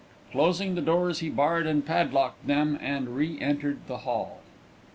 Closing the doors, he barred and padlocked them and re entered the hall.